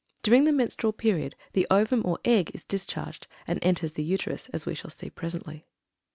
During the menstrual period the ovum, or egg, is discharged, and enters the Uterus, as we shall see presently.